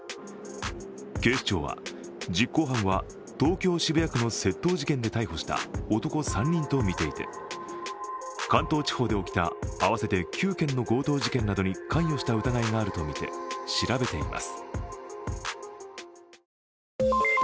警視庁は、実行犯は東京・渋谷区の窃盗事件で逮捕した男３人とみていて関東地方で起きた合わせて９件の強盗事件などに関与した疑いがあるとみて調べています。